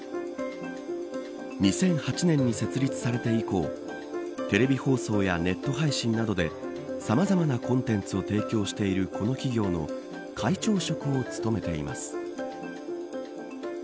２００８年に設立されて以降テレビ放送やネット配信などでさまざまなコンテンツを提供している、この企業の会長職を務めています。